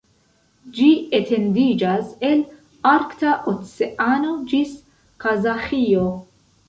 Ĝi etendiĝas el Arkta Oceano ĝis Kazaĥio.